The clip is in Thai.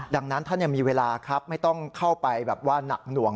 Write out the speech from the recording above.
ดังนั้นท่านยังมีเวลาครับไม่ต้องเข้าไปแบบว่าหนักหน่วง